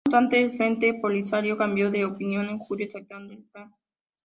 No obstante, el Frente Polisario cambió de opinión en julio, aceptando el plan.